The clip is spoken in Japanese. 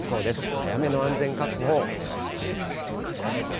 早めの安全確保をお願いします。